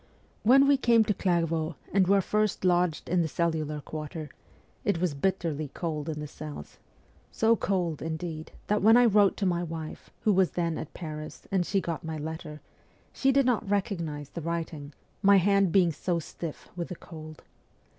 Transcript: When we came to Clairvaux and were first lodged in the cellular quarter, it was bitterly cold in the cells ; so cold, indeed, that when I wrote to my wife, who was then at Paris, and she got my letter, she did not recognize the writing, my hand being so stiff with the cold.